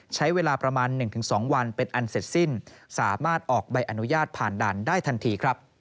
ใช้เวลาประมาณ๑๒วันเป็นอันเสร็จสิ้นสามารถออกใบอนุญาตผ่านด่านได้ทันทีครับ